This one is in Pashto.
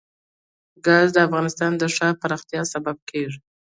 ګاز د افغانستان د ښاري پراختیا سبب کېږي.